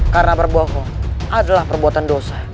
karena berbohong adalah perbuatan dosa